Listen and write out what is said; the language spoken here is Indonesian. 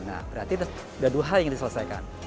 nah berarti sudah dua hal yang diselesaikan